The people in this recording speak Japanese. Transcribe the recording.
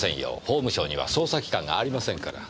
法務省には捜査機関がありませんから。